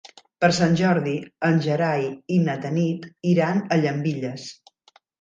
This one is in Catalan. Per Sant Jordi en Gerai i na Tanit iran a Llambilles.